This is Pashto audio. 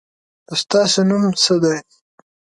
ستاسو نوم څه دی ؟